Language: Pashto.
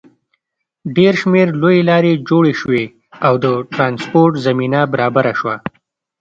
ډېر شمېر لویې لارې جوړې شوې او د ټرانسپورټ زمینه برابره شوه.